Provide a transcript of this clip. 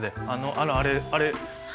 あのあれあれねえ。